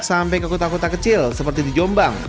sampai ke kota kota kecil seperti di jombang